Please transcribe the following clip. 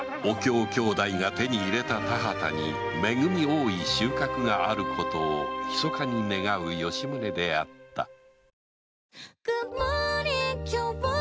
お杏姉弟が手に入れた田畑に恵み多い収穫があることを秘かに願う吉宗であった